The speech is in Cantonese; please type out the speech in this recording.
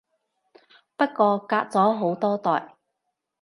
不過隔咗好多代